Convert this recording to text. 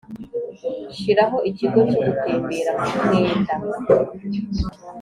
shiraho ikigo cyo gutembera mu mwenda,